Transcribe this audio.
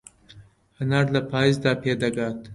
هەنار لە پایزدا پێدەگات.